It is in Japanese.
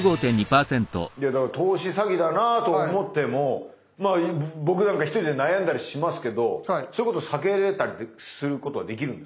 投資詐欺だなと思っても僕なんか一人で悩んだりしますけどそういうこと避けれたりすることはできるんですか？